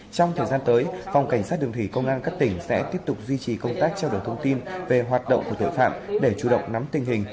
trong thời gian tới phòng cảnh sát đường thủy công an các tỉnh sẽ tiếp tục duy trì công tác trao đổi thông tin về hoạt động của tội phạm để chủ động nắm tình hình